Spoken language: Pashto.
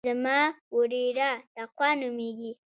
زما وريره تقوا نوميږي.